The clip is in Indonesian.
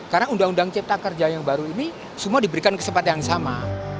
karena undang undang cipta kerja yang baru ini semua diberikan kesempatan yang sama